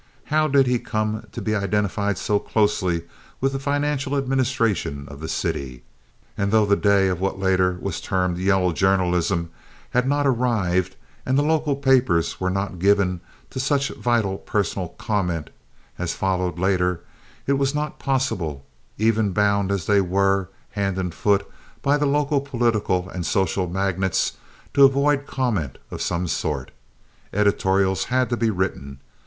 How did he come to be identified so closely with the financial administration of the city? And though the day of what later was termed "yellow journalism" had not arrived, and the local papers were not given to such vital personal comment as followed later, it was not possible, even bound as they were, hand and foot, by the local political and social magnates, to avoid comment of some sort. Editorials had to be written.